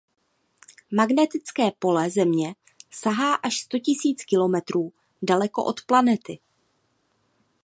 Magnetické pole Země sahá až sto tisíc kilometrů daleko od planety.